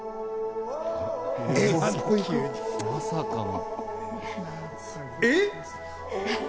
まさかの？